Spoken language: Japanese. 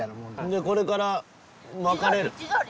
でこれから別れる？